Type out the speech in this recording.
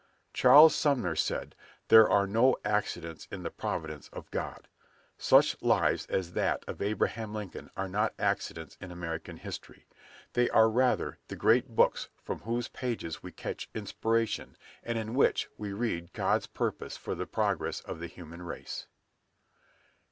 Charles Sumner said, "There are no accidents in the Providence of God." Such lives as that of Abraham Lincoln are not accidents in American history. They are rather the great books from whose pages we catch inspiration, and in which we read God's purposes for the progress of the human race.